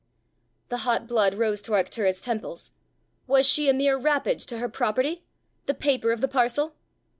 '" The hot blood rose to Arctura's temples: was she a mere wrappage to her property the paper of the parcel!